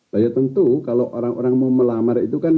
nah ya tentu kalau orang orang mau melamar itu kan